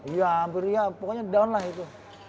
ya hampir ya pokoknya down lah itu